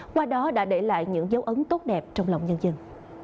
qua đó đã để lại những dấu ấn tốt đẹp trong lòng nhân dân